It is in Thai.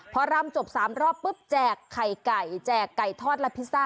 พอรำจบ๓รอบปุ๊บแจกไข่ไก่แจกไก่ทอดและพิซซ่า